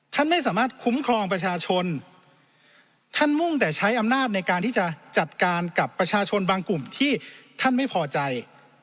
ท่านไม่สามารถคุ้มครองประชาชนท่านมุ่งแต่ใช้อำนาจในการที่จะจัดการกับประชาชนบางกลุ่มที่ท่านไม่พอใจ